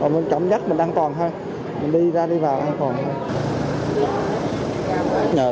mình chẳng nhắc mình an toàn thôi mình đi ra đi vào an toàn thôi